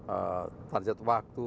eh target waktu